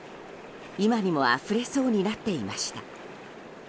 今にもあふれそうになっていました。